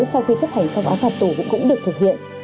sau khi chấp hành xong áo phạm tù cũng được thực hiện